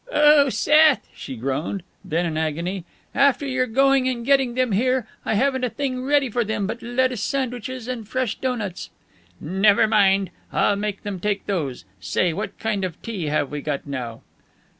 "Oh, Seth!" she groaned. Then, in agony, "After your going and getting them here, I haven't a thing ready for them but lettuce sandwiches and fresh doughnuts." "Never mind. I'll make them take those. Say, what kind of tea have we got now?"